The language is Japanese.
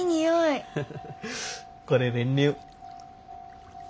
フフッこれ練乳。